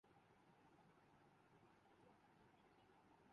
تواپنی طرف توجہ مبذول کراسکتاہے۔